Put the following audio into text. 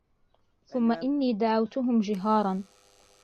ثُمَّ إِنِّي دَعَوْتُهُمْ جِهَارًا